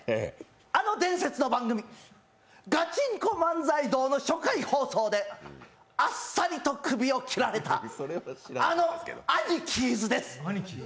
あの伝説の番組「ガチンコ漫才道」の初回放送であっさりと首を切られた、あのアニキーズです。